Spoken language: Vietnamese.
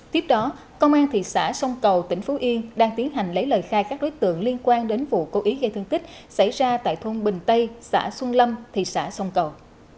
tiếp đó công an thị xã sông cầu tỉnh phú yên đang tiến hành lấy lời khai các đối tượng liên quan đến vụ cố ý gây thương tích xảy ra tại thôn bình tây xã xuân lâm thị xã sông cầu